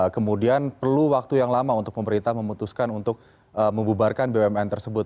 kemudian perlu waktu yang lama untuk pemerintah memutuskan untuk membubarkan bumn tersebut